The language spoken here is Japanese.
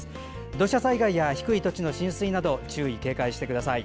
土砂災害や低い土地の浸水などに注意・警戒してください。